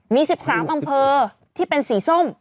มี๑๓อำเภอที่เป็นสีส้ม